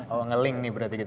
oh nge ling nih berarti gitu